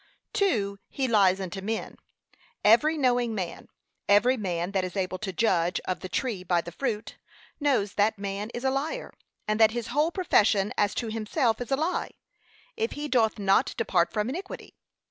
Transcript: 2. He lies unto men; every knowing man; every man that is able to judge of the tree by the fruit, knows that that man is a liar, and that his whole profession as to himself is a lie, if he doth not depart from iniquity.